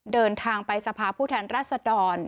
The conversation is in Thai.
เดินทางไปสภาพผู้แทนรัศดร